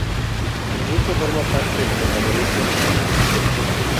El grupo forma parte del protagonismo de las creaciones.